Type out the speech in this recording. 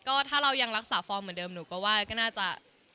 ก็ถ้าเรายังรักษาฟอร์มเหมือนเดิมหนูก็ว่าก็น่าจะ